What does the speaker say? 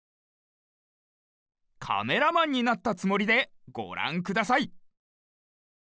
カメラマンになったつもりでごらんください！